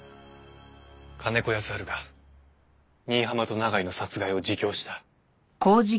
金子康晴が新浜と永井の殺害を自供した。